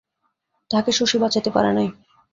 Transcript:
তাহাকে শশী বঁচাইতে পারে নাই।